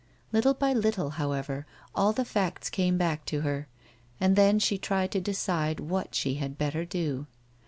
Little by little, however, all the facts came back to her, and then she tried to decide what she had better do.